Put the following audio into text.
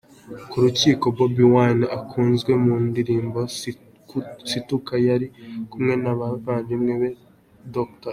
Ku rukiko, Bobi Wine ukunzwe mu ndirimbo “Situka” yari kumwe n’abavandimwe ba Dr.